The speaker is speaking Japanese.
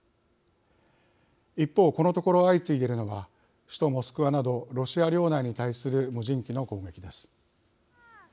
一方このところ相次いでいるのが首都モスクワなどロシア領内に対する無人機の攻撃です。